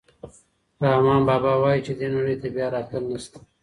رحمان بابا وايي چې دې نړۍ ته بیا راتلل نشته.